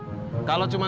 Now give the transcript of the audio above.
saya gak jadi semangat